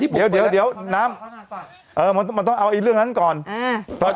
เดี๋ยวเดี๋ยวเดี๋ยวน้ำเออมันมันต้องเอาไอ้เรื่องนั้นก่อนเออ